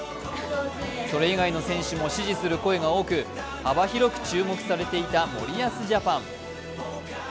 それ以外の選手も支持する声が多く幅広く注目されていた森保ジャパン。